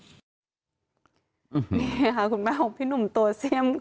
นี่ค่ะคุณแม่ของพี่หนุ่มตัวเสี่ยม